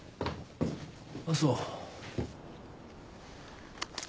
ああそう。